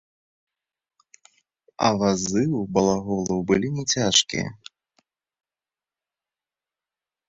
А вазы ў балаголаў былі не цяжкія.